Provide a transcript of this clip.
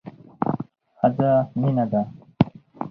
ښځه مينه ده